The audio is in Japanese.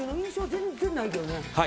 全然ないけどね。